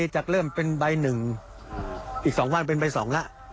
จากเริ่มเป็นใบ๑อีก๒วันเป็นใบ๒แล้ว